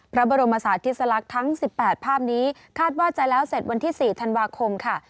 พระบรมศาสติสลักษณ์ทั้ง๑๘ภาพนี้คาดว่าจะแล้วเสร็จวันที่๔ธันวาคมค่ะ